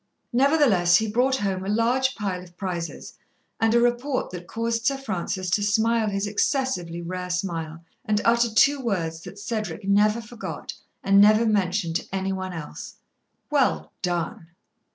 Nevertheless, he brought home a large pile of prizes, and a report that caused Sir Francis to smile his excessively rare smile and utter two words that Cedric never forgot, and never mentioned to any one else: "Well done."